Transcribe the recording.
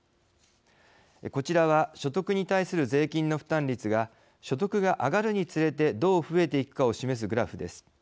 こちらは、所得に対する税金の負担率が所得が上がるにつれてどう増えていくかを示すグラフです。